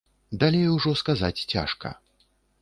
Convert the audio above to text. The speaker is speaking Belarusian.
Далей ужо сказаць цяжка.